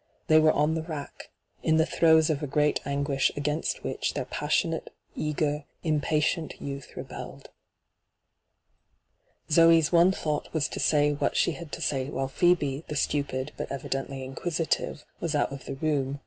They were on the rack — in the throes of a great anguish against which their passionate, eager, impatient youth rebelled. Zoe's one thought was to aay what she had to say while Phcebe, the stupid, but evidently inquisitive, was out of the room.